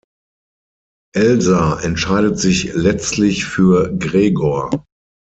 Elsa entscheidet sich letztlich für Gregor.